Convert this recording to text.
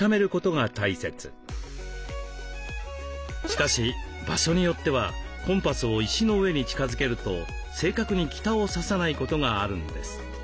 しかし場所によってはコンパスを石の上に近づけると正確に北を指さないことがあるんです。